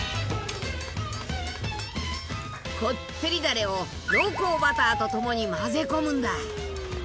コッテリだれを濃厚バターとともに混ぜ込むんだ。